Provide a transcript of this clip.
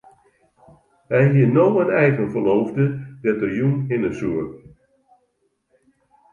Hy hie no in eigen ferloofde dêr't er jûn hinne soe.